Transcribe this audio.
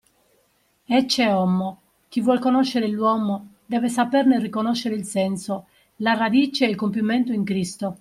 Ecce homo: chi vuol conoscere l'uomo, deve saperne riconoscere il senso, la radice e il compimento in Cristo